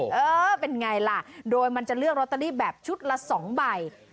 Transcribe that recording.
เออเป็นไงล่ะโดยมันจะเลือกลอตเตอรี่แบบชุดละ๒ใบ